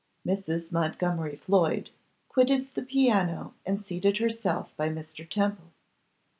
Mrs. Montgomery Floyd quitted the piano, and seated herself by Mr. Temple.